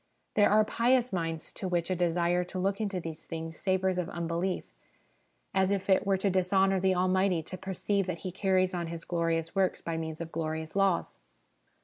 There are pious minds to which a desire to look into these things savours of unbelief, as if it were to dishonour the Almighty to perceive that He carries on His glorious works by means of glorious laws.